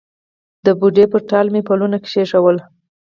د بوډۍ پر ټال مې پلونه کښېښول